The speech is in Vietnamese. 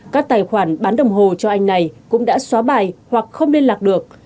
các tài khoản bán đồng hồ cho anh này cũng đã xóa bài hoặc không liên lạc được